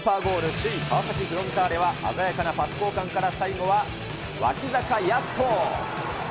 首位、川崎フロンターレは鮮やかなパス交換から最後は脇坂泰斗。